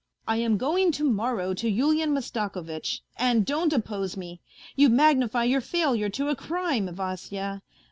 I am going to morrow to Yulian Mastakovitch, and don't oppose me. You|magnify your failure to a crime, Vasya.